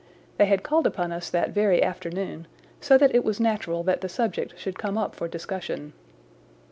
They had called upon us that very afternoon, so that it was natural that the subject should come up for discussion.